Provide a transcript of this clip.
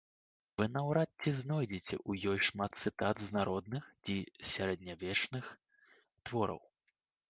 Вы наўрад ці знойдзеце ў ёй шмат цытат з народных ці сярэднявечных твораў.